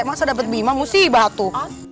masa dapet bimamu sih batu